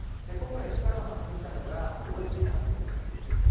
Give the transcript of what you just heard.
今回、力を発揮したのが、揚水発電なんです。